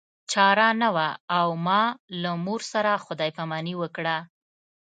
چاره نه وه او ما له مور سره خدای پاماني وکړه